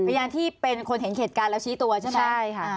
พยานที่เป็นคนเห็นเหตุการณ์แล้วชี้ตัวใช่ไหมใช่ค่ะ